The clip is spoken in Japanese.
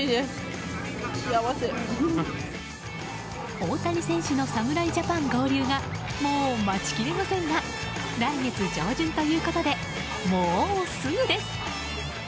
大谷選手の侍ジャパン合流がもう待ちきれませんが来月上旬ということでもうすぐです。